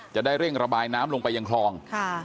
จะได้เร่งระบายน้ำลงไปยังคลอง